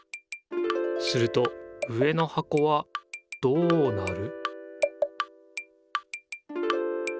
すると上のはこはどうなる？